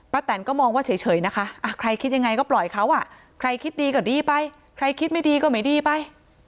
แตนก็มองว่าเฉยนะคะใครคิดยังไงก็ปล่อยเขาใครคิดดีก็ดีไปใครคิดไม่ดีก็ไม่ดีไป